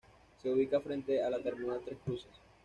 Se ubica frente a la terminal Tres Cruces.